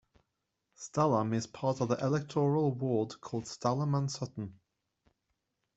Stalham is part of the electoral ward called Stalham and Sutton.